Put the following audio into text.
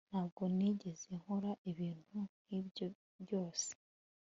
ntabwo nigeze nkora ibintu nkibyo ryose